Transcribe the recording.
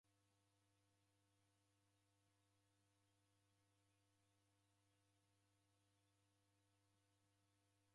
Kiteto cha W'aMtango ni kizima ndechifwanane na W'aKidaya.